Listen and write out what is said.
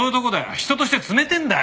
人として冷てえんだよ。